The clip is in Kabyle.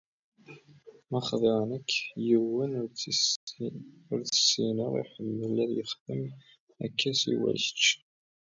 Ma xḍiɣ nekk, yiwen ur t-ssineɣ iḥemmel ad ixdem akka siwa kečč.